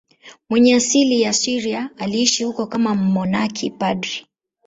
Mwenye asili ya Syria, aliishi huko kama mmonaki padri.